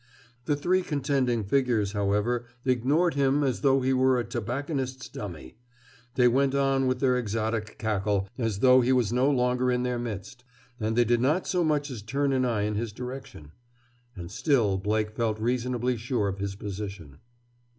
The three contending figures, however, ignored him as though he were a tobacconist's dummy. They went on with their exotic cackle, as though he was no longer in their midst. They did not so much as turn an eye in his direction. And still Blake felt reasonably sure of his position.